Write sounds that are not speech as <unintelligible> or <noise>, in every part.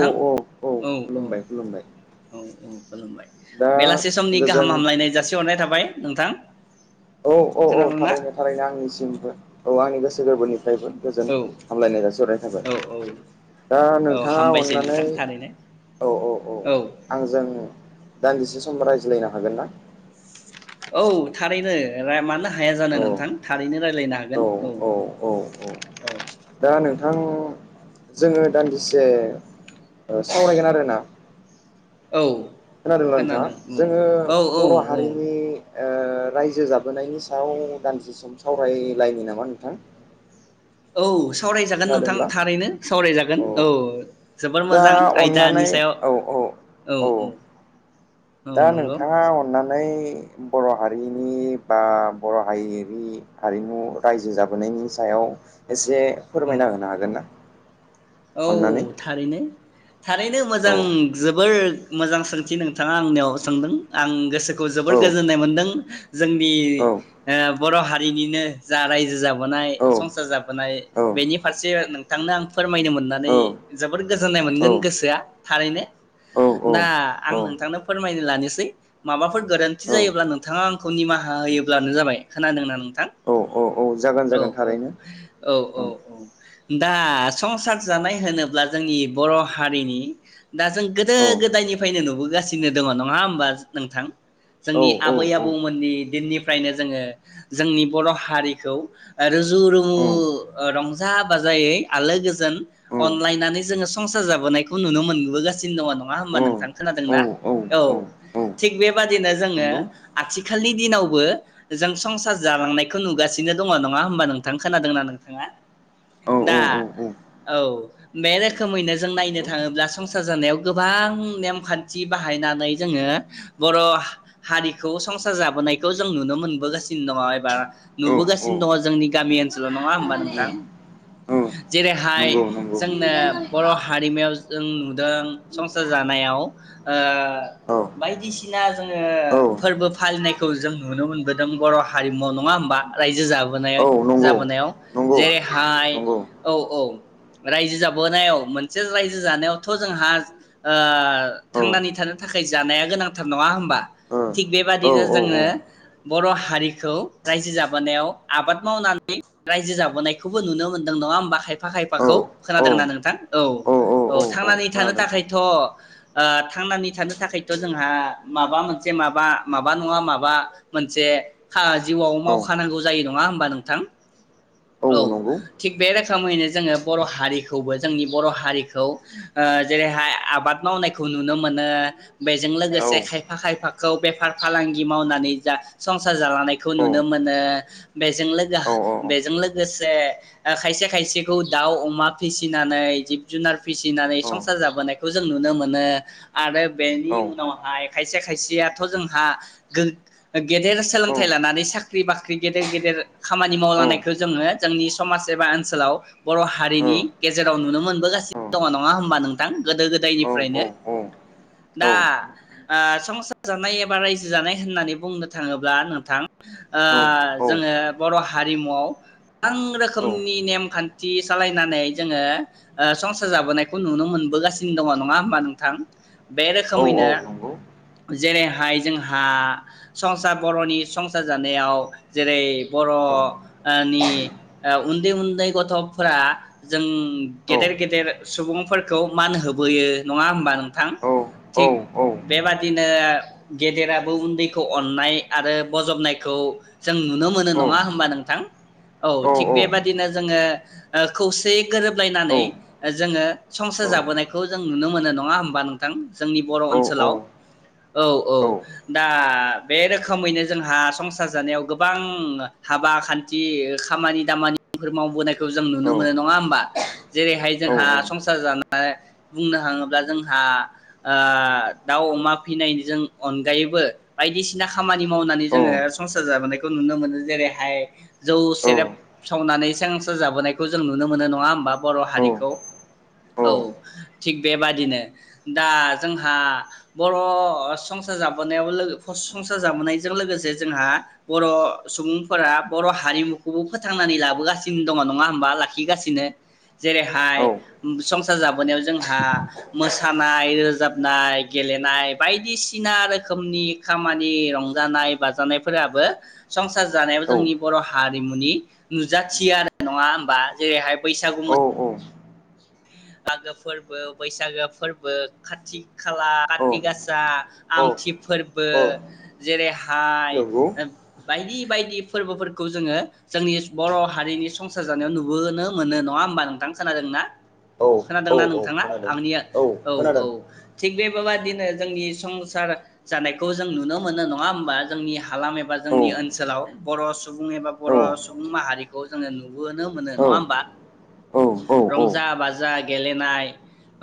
औ औ औ औ खुलुमबाय खुलुमबाय औ औ खुलुमबाय दा बेलासे समनि गोजोन गाहाम हामलायनाय जासिहरनाय थाबाय नोंथां। औ-औ-औ खोनादोंना थारैनो थारैनो आंनिसिमबो औ आंनि गोसो <unintelligible> जेबो गोजोन औ हामलायनाय जासिहरनाय थाबाय औ औ दा औ नोंथाङा हामबायसै अननानै नोंथां थारैनो औ औ औ आंजों दान्दिसे समब रायज्लायनो हागोन ना औ थारैनो मानोना हाया जानो औ नोंथां थारैनो रायज्लायनो हागोन औ औ। दा नोंथां जोङो दान्दिसे ओ सावरायगोन आरोना? औ खोनादोंना नोंथाङा? खोनादों जोंङो औ औ बर' औ हारिनि ओ रायजो जाबोनायनि सायाव दानदिसे सम सावरायलायनो नामा नोंथां औ सावरायजागोन नोंथां खोनादोंब्ला थारैनो सावरायजागोन औ जोबोर दा मोजां अननानै आयदानि सायाव औ औ औ औ-औ दा नोंथाङा अननानै फाय बर' हारिनि बा बर'हारिनि हारिमु रायजो जाबोनायनि सायाव एस जे औ फोरमायना होनो हागोन ना अननानै औ थारैनो थारैनो औ मोजां जोबोर। मोजां सोंथि नोंथाङा आंनियाव सोंदों आं गोसो खौ जोबोर औ गोजोननाय मोनदों। जोंनि औ ओ बर हारिनिनो जा रायजो जाबोनाय औ संसार जाबोनाय औ बेनि फारसे नोंथांनो आं फोरमा फोरमायनो मोननानै औ जोबोद गोजोननाय औ मोनगोन गोसोआ थारैनो औ दा आं नोंथांनो फोरमायनो लानोसै माबाफोर गोरोन्थि जायोब्ला नोंथाङा आंखौ निमाहा होयोब्लानो जाबाय खोनादों ना नोंथां। औ औ औ जागोन औ जागोन औ थारैनो औ औ औ दास संसार जानाय होनोब्ला जोंनि बर हारिनि दा जों गोदो औ गोदायनिफ्रायनो नुबोगासिनो दङ नङा होमबा नोंथां औ जोंनि औ आबै औ आबौमोननि दिननिफ्रायनो जोङो जोंनि बर हारिखौ रुजु रुमु औ रंजा बाजायै आलो गोज जोन अनलाइनानै जोङो संसार जाबोनायखौ नुनो मोनबोगासिनो दङ नङा होमबा नोंथां खोनादोंना औ थिग बेबादिनो जोङो नंगौ आथिखालनि दिनावबो जों संसार जालांनायखौ नुगासिनो दङ नङा होमबा नोंथां खोनादोंना नोंथाङा औ दा औ औ औ औ बे रोखोमैनो जों नायनो नंगौ थाङोब्ला संसार जानायाव गोबां नेमखान्थि बाहायनानै जोङो बर हारिखौ संसार जाबोनायखौ जों नुनो मोनबोगासिनो दङ एबा औ औ नुबोगासिनो दङ जोंनि गामि ओनसोलाव नङा होमबा नोंथां? जेरै हाय नंगौ नंगौ जोंनो बर हारिमायाव जों नु दों संसार जानायाव ओ औ बायदिसि ना जोङो औ फोर्बो फालिनायखौ जों नुनो मोनबोदों बर' हारिमुआव नङा होमबा रायजो जाबोनाय नंगौ जाबोनायाव नंगौ नंगौ जेरैहाय औ औ। रायजो जाबोनायाव मोनसे रायजो जानायावथ जोंहा ओ औ ओ औ थांनानै थानो थाखाय जानाया गोनांथार नङा होमबा थिग औ बेबादिनो औ जोङो बर हारिखौ रायजो जाबोनायाव आबाद मावनानै रायजो जाबोनायखौबो नुनो मोनदों नङा होमबा खायफा खायफ खोमाखौ औ खोनादोंना नोंथां औ औ थांनानै थानो थाखायथ' ओ थांनानै थानो थाखायथ' जोंहा माबा मोनसे माबा माबा नङा माबा मोनसे जिउआव मावखानांगौ जायो नङा होनबा नोंथां औ थिग बे रोखोमैनो जोङो। बर हारिखौबो जोंनि बर हारिखौ जेरैहाय आबाद मावनायखौ नुनो मोनो। बेजों औ लोगोसे खायफा खायफा खौ बेफार फालांगि मावनानै जा संसार जालानायखौ औ नुनो मोनो बेजों लोगो औ औ बेजों लोगोसे खायसे खायसेखौ दाउ अमा फिसिनानै जिब जुनार फिसिनानै औ संसार जाबोनायखौ जों नुनो मोनो आरो बेनि औ उनावहाय खायसे खायसेयाथ' जोंहा गो गेदेर औ सोलोंथाइ लानानै साख्रि बाख्रि गेदेर गेदेर खामानि औ मावलांनायखौ जोङो जोंनि समाज एबा ओनसोलाव। बर हारिनि नंगौ औ गेजेराव नुनो मोनबोगासिनो दङ औ नङा होमबा नोंथां गोदो औ गोदायनिफ्रायनो दा ओ संसार जानाय एबा रायजो जानाय होननानै बुंनो थाङोब्ला नोंथां ओ जोङो बर हारिमुआव गोबां रोखोमनि नेमखा थि सालायनानै जोङो ओ संसार जाबोनायखौ नुनो मोनबोगासिनो दङ नङा होमबा नोंथां? बे रोखोमैनो जेरैहाय जोंहा संसार बर'नि संसार जानायाव जेरै बर'ओ नि उन्दै उन्दै गथ'। फोरा जों गेदेर गेदेर सुबुंफोरखौ मान होबोयो नङा होमबा नोंथां थिग औ बेबादि बिदिनो गेदेराबो उन्दैखौ अननाय आरो बजबनायखौ जों नुनो मोनो औ औ नङा हबा नोंथां औ थिग बेबादिनो जोङो ओ खौसेयै गोरोबलायनानै जोङो संसार जाबोनायखौ जों नुनो मोनो नङा हबा नोंथां जोंनि बर' ओनसोलाव औ औ दा बे रोखोमैनो जोंहा संसार जानायाव गोबां हाबा खान्थि खामानि दामानिफोर मावबोनायखौ नुनो मोनो नङा होमबा? जेरैहाय जोंहा संसार जानाय बुंनो थाङोब्ला जोंहा ओ दाउ अमा फिनायनि जों अनगायैबो बायदिसिना खामानि मावनानै जोङो संसार जाबोनाय नुनो मोनो जेरैहाय जौ सेरेब सावनानै सें सार जाबोनाय जों नुनो मोनो नङा होमबा बर हारिखौ औ थिग बेबादिनो दा जोंहा बर संसार जाब <unintelligible> संसार जाबोनाय जों लोगोसे जोंहा बर सुबुं। फोरा बर' हारिमुखौबो फोथांनानै लाबोगासिनो दङ नङा। मा लाखिगासिनो। जेरैहाय संसार जाबोनायाव जोंहा मोस मोसानाय रोजाबनाय गेलेनाय बायदिसिना रोखोमनि खामानि रंजानाय बाजानायफोराबो संसार जानायाव जोंनि बर' हाद मुनि नुजाथियो आरो नङा बा जेरैहाय बैसागु औ औ। मागो फोरबो बैसागो फोरबो खाथि खाला खाथि गासा आमथि फोरबो जेरै हाय नंगौ <unintelligible> बायदि बेबायदि फोरबोफोरखौ जोङो जोंनि बर' हारिनि संसार जानायाव नुबोनो मोनो नङा होमबा नोंथां खोनादोंना? औ औ खोनादोंना औ नोंथाङा खोनादों आंनिया औ औ खोनादों थिग बे औ बेबादिनो जोंनि संसार जानायखौ जों नुनो मोनो नङा होमबा जोंनि हालाम एबा औ जोंनि ओनसोलाव बर' सुबुं एबा औ बर' सुबुं माहारिखौ जोङो नुबोनो मोनो औ नङा होमबा। औ औ रंजा बाजा गेलेनाय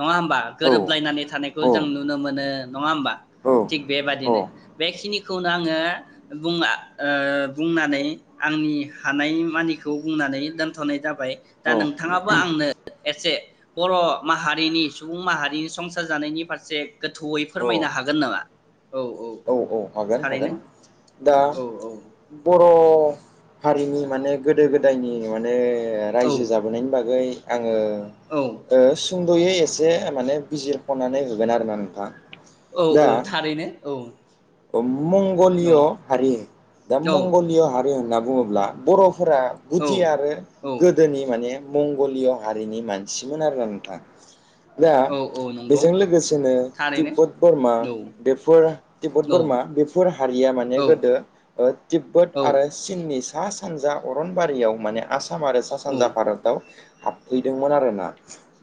नङा होमबा गोरोबलायनानै थानायखौ जों औ नुनो मोनो नङा होमबा थिग बेबादिनो बेखिनिखौनो आंङो बुङा ओ बुंनानै आंनि हानाय मानिखौ बुंनानै दोनथनाय जाबाय दा नों थाङाबो आंनो एसे बर' माहारिनि सुबुं माहारिनि संसार जानायनि फारसे गोथौयै फोरमायनो हागोन नामा? औ औ। हागोन थारैनो हागोन दा औ औ बर' हारिनि माने गोदो गोदायनि मानो ओ औ रायजो जाबोनायनि बागै आंङो औ ओ सुंदयै एसे आमाने बिजिरखनानै होगोन आरोना नोंथां औ औ थारैनो औ अम मंगलिय औ हारि दा औ मंगलिय हारि होनना बुङोब्ला बर' फोरा गुदि आरो औ औ गोदोनि माने मंगलिय हारिनि मानसिमोन आरोना नोंथां । दा औ औ नंगौ बेजों लोगोसेनो तिब्बत बरमा थारैनो बेफोर बद औ बोरमा बेफोर हारिया माने औ गोदो तिब्बत औ आरो सिन। नि सा सानजा अरनबारियाव माने आसा साम आरो सा सानजा भारतआव हाबफैदोंमोन आरोना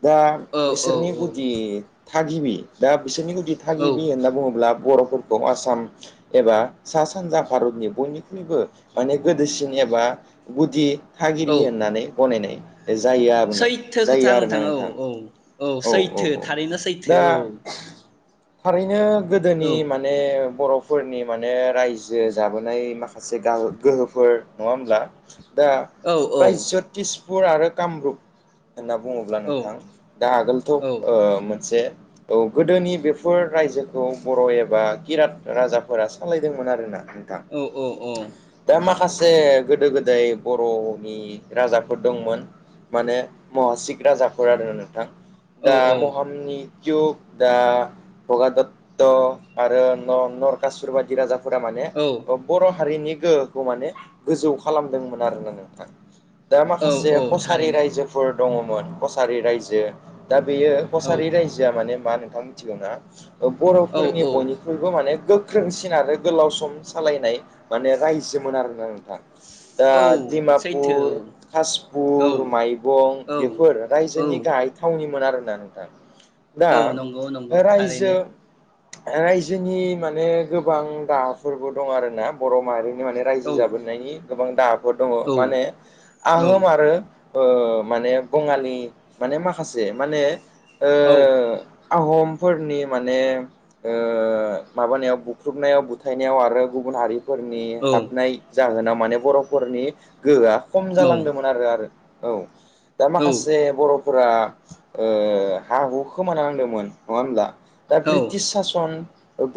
दा औ बिसोरनि गुदि थागिबि दा बिसोरनिखौ औ थागिबि होनना बुङोब्ला बर'फोर औ आसाम एबा सा सानजा भारतनि बयनिख्रुइबो माने गोदोसिन एबा गुदि औ थागिरि होननानै गनायनाय जायो आरोनो सैथो खोथा जायो नोंथां आरोना औ औ औ सैथो थारैनो दा सैथो औ थारैनो गोदोनि मा ओ बरफोरनि माने रायजो जाबोनाय माखासे गाहो गोहोफोर नङा होमब्ला दा औ औ फ्राय <unintelligible> फुर आरो कामरुप होनना बुङोब्ला औ नोंथां दा आगोलथ औ ओ मोनसे औ गोदोनि बेफोर रायजोखौ बर' एबा खिराट राजाफोरा सालायदोंमोन आरोना। नोंथां औ दा माखासे ससे गोदो गोदाय बरनि राजाफोर दंमोन माने महासिक राजाफोर आरो नोंथां दा औ औ महामनि जग दा प्रगा दतत आरो नरकासुर बायदि राजा फ्रा माने बर'हारिनि गोहोखौ माने गोजौ खालामदोंमोन आरोना नोंथां। दा माखासे औ औ कसारि थारैनो रायजोफोर दङमोन कसारि रायजो दा बेयो औ कसारि रायजोआ माने मा नोंथां मिथिगौ ना? ओ औ बर'फोरनि औ बयनिख्रुइबो माने गोख्रोंसिन आरो गोलाव सम सालायनाय माने रायजोमोन आरो <unintelligible> नोंथां दा औ सैथो डिमापुर औ कासपुर माइबं औ बेफोर औ रायजोनि गाहाय थावनिमोन आरो <unintelligible> दा औ नंगौ नंगौ रायजो थारैनो रायजोनि माने गोबां दाफोरबो दं आरो ना बर माहारिनि माने रायजो औ जाबोनायनायनि गोबां दाहाफोर दङ माने औ आहोम आरो ओ माने बङालि माने माखासे माने ओ औ आहमफोरनि माने ओ माबानायाव बुख्रुबनायाव बुथायनायाव आरो गुबुन हारि फोरनि औ हाबनाय जाहोनाव माने बरफोरनि गोहोआ खम जालांदोंमोन आरो आरो औ दा औ माखासे बर फोरा ओ हा हु खोमानांदोंमोन नङा होमब्ला दा औ ब्रिटिश सास ओ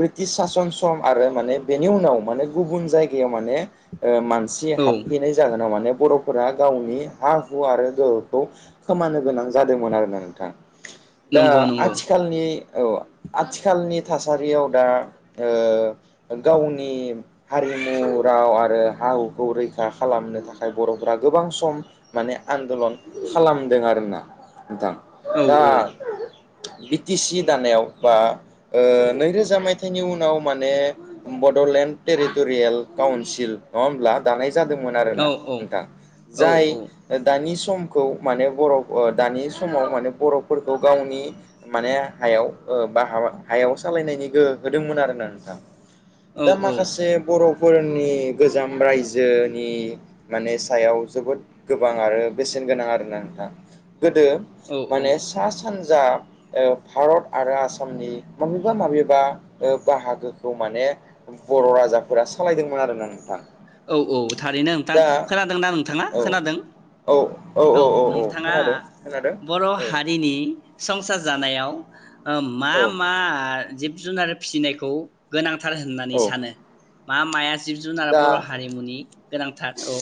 ब्रिटिश सासन सम आरो माने बेनि उनाव माने गुबुन जायगायाव माने ओ मान सि औ हाबफैनाय जागोन नाव माने बर' फोरा गावनि हा हु आरो गोहोखौ खोमानो गोनां जादोंमोन आरोना नोंथां। दा नंगौ नंगौ आथिखालनि औ आथिखालनि थासारियाव दा ओ गावनि हारिमु राव आरो हा हुखौ रैखा खालामनो थाखाय बर'फोरा गोबां सम माने आन्दलन खालामदों आरोना। नोंथां औ दा बि टि सि दानायाव बा। ओ नैरोजा मायथाइनि उनाव माने बडलेण्ड टेरिटरियेल काउन्सिल नङा होमब्ला दानाय जादोंमोन औ आरोना नोंथां औ जाय ओ दानि समखौ माने बर ओ दानि समाव माने बर'फोरखौ गावनि माने हायाव ओ बा हा <inaudible> हायाव सालायनायनि गोहो होदोंमोन आरोना नोंथां। दा माखासे बर' फोरनि गोजाम रायजोनि माने सायाव जोबोद गोबां आरो बेसेन गोनां आरोना नोंथां। गोदो औ माने सा सान जा ओ भारत आरो आसामनि। माबेबा माबेबा ओ‌ बाहागोखौ माने बर' राजाफोरा सालायदोंमोन आरोना नोंथां। औ औ थारैनो नोंथां दा खोनादोंना नोंथाङा औ खोनादों औ नोंथाङा बर हारिनि सं सार जानायाव ओ मा औ मा जिब जुनार फिसिनायखौ गोनां थार होननानै औ सानो। मा माया जिब जु दा बर हारिमुनि। गोनांथार औ।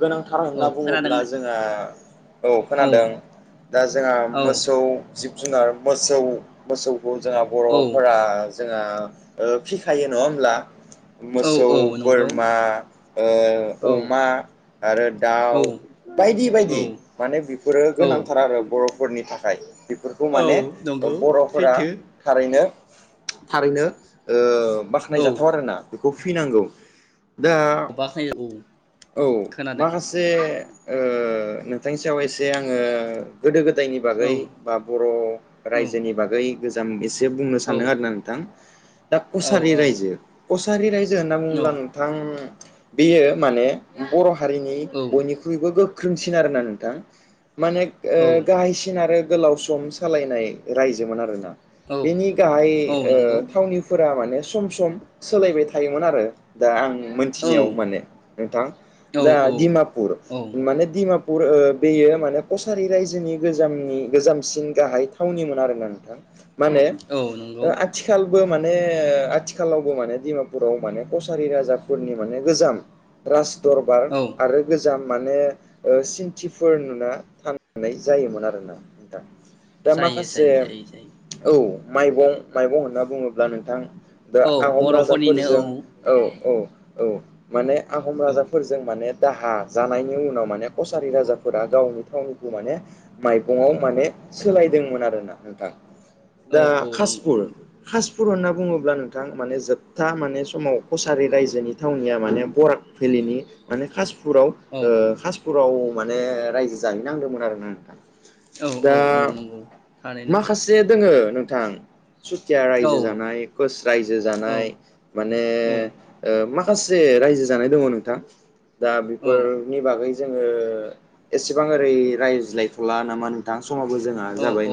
गोनांथार औ होनना बुङोब्ला खोनादोंनो जोंहा औ खोनादों दा जोंहा औ मोसौ जिब जुनार मोसौ मोसौ जोंहा औ बर'फोरा। जोंहा फिखायो, नङा होमब्ला? औ मोसौ औ नंगौ बोरमा ओ औ अमा आरो औ दाउ बायदि बायदि औ माने बेफोरो औ गोनांथार आरो बर' बर'फोरनि थाखाय बेफोरखौ औ माने नंगौ बरफोरा सैथो थारैनो थारैनो ओ बाख्नाय औ जाथाव आरोना बे कफि नांगौ दा बाख्नाय औ औ खोनादों माखासे ओ नोंथांनि सायाव एसे आङो गोदो गोद गोदायनि औ बागै बा बर'‌ औ रायजोनि बागै गोजाम इस बुंनो औ सानदों आरो ना नोंथां दा औ कसारि रायजो कसारि रायजो होनना बुङोब्ला नोंथां बेयो माने बर' हारिनि बयनिख्रुइबो गो गोख्रोंसिन आरोना नोंथां। माने औ ओ गाहायसिन आरो गोलाव सम सालायनाय रायजोमोन आरोना औ बेनि गाहाय औ नंगौ ओ थावनिफोरा माने सम सम सोलायबाय थायोमोन आरो दा आं औ मोनथिनायाव माने नोंथां औ दिमापुर औ माने दि <unintelligible> पुर बेयो माने कसारि रायजोनि गोजनि गोजामसिन गाहाय थावनिमोन आरोना नोंथां। माने औ नंगौ आथिखाल बो माने आथिखालावबो माने डिमापुराव माने कसारि राजाफोरनि माने गोजाम राज दरबा औ आरो गोजाम माने ओ सिनथिफोर नुना था <unintelligible> नाय जायोमोन आरोना नोंथां। दा जायो माखासे जायो जायो जायो औ माइबं माइबं होनना बुङोब्ला नोंथां दा औ आहम बर'फोरनिनो राजाफोरजों औ औ। औ माने आहम औ राजाफोर माने दाहा जानायनि उनाव माने कसारि राजाफोरा गावनि थावनिखौ माने <unintelligible> माइबंयाव माने सोलायदोंमोन आरोना नोंथां औ दा औ नंगौ कासपुर नंगौ कास <inaudible> फुर होनना बुङोब्ला नोंथां माने जोबथा माने समाव कसारि रायजोनि थावनिया माने बराग भेलिनि माने खास <inaudible> पुराव औ ओ कासपुराव। माने रायजो जाहैनांदोंमोन आरोना नोंथां। औ औ दा औ नंगौ थारैनो माखासे दोङो नोंथां सुथिया औ रायजो जानाय कुस रायजो औ जानाय माने ओ मा खासे रायजो जानाय दङ नोंथां दा औ बेफोरनि बागै जोङो एसेबां ओरै रायज्लायथला नामा नोंथां समाबो जोंहा औ जाबाय औ नङा